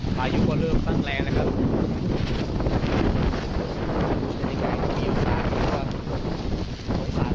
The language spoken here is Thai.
พายุก็เริ่มตั้งแรงนะครับ